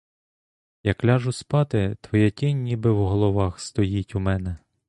Як ляжу спати, твоя тінь ніби в головах стоїть у мене.